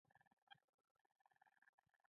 د پاچا د پرېکړو په اړه عمومي بحثونه نه کېدل.